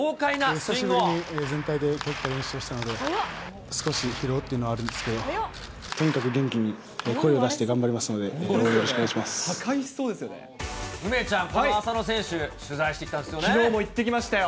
久しぶりに全体で練習したので、少し疲労っていうのはあるんですけど、とにかく元気にもう声を出して頑張りますので、応援よろしくお願梅ちゃん、この浅野選手、きのうも行ってきましたよ。